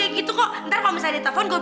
kali ini lo pasti bakalan bener bener ancur